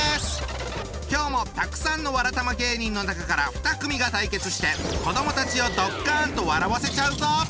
今日もたくさんのわらたま芸人の中から２組が対決して子どもたちをドッカンと笑わせちゃうぞ！